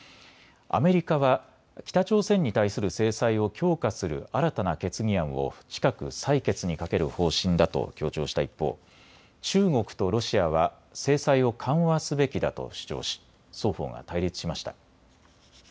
アメリカは北朝鮮に対する制裁を強化する新たな決議案を近く採決にかける方針だと強調した一方、中国とロシアは制裁を緩和すべきだと主張し双方が対立しました。